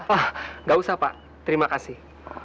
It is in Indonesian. ah nggak usah pak terima kasih